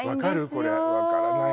これ分からない